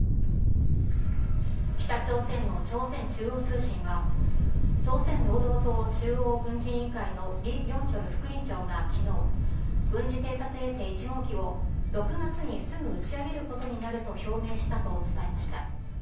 北朝鮮の朝鮮中央通信は、朝鮮労働党中央軍事委員会のリ・ビョンチョル副委員長がきのう、軍事偵察衛星１号機を６月にすぐ打ち上げることになると表明したと伝えました。